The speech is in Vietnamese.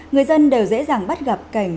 người dân đều dễ dàng bắt gặp cảnh